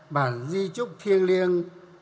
bản di trúc thiêng liêng